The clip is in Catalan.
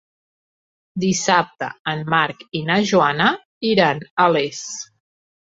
Dissabte en Marc i na Joana iran a Les.